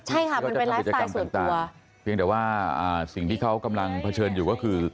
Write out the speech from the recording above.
ใช่ค่ะมันเป็นส่วนตัวเพียงแต่ว่าอ่าสิ่งที่เขากำลังเผชิญอยู่ก็คือ